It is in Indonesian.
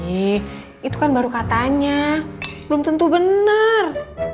ih itu kan baru katanya belum tentu bener